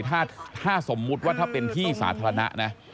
ถ้าสมมุติว่าถ้าเป็นที่สาธารณะนะ